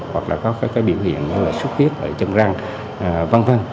hoặc là có các cái biểu hiện như là sốt huyết ở chân răng v v